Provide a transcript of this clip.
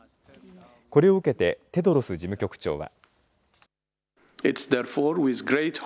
これを受けてテドロス事務局長は。